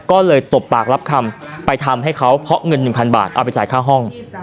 ก็เลยตบปากรับคำไปทำให้เขาเพราะเงิน๑๐๐บาทเอาไปจ่ายค่าห้อง